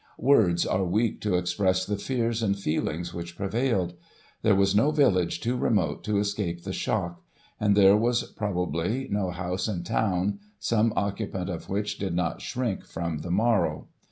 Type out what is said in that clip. " Words are weak to express the fears and feelings which prevailed. There was no village too remote to escape the shock, and there was, probably, no house in town some occu pant of which did not shrink from the morrow.